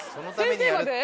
先生まで。